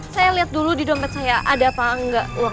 saya lihat dulu di dompet saya ada apa enggak